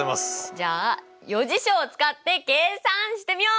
じゃあ余事象を使って計算してみよう！